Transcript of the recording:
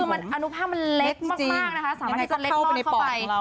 คือมันอนุภาพมันเล็กมากนะคะสามารถที่จะเล็กเข้าไป